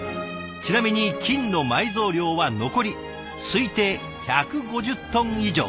ちなみに金の埋蔵量は残り推定１５０トン以上。